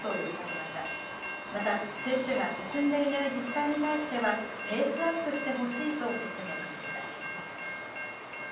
また、接種が進んでいない自治体に対しては、ペースアップしてほしいと説明しました。